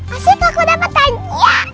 asyik aku dapat hadiah